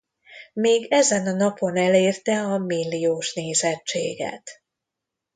Még ezen a napon elérte a milliós nézettséget.